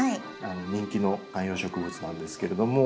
人気の観葉植物なんですけれども。